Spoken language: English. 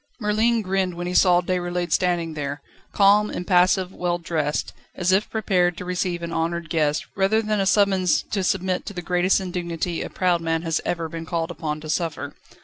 Merlin grinned when he saw Déroulède standing there, calm, impassive, well dressed, as if prepared to receive an honoured guest, rather than a summons to submit to the greatest indignity a proud man has ever been called upon to suffer.